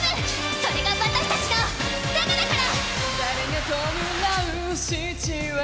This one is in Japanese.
それが私たちのサガだから！